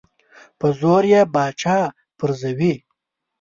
په زور یې پاچا پرزوي.